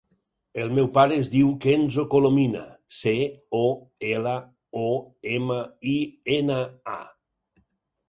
El meu pare es diu Kenzo Colomina: ce, o, ela, o, ema, i, ena, a.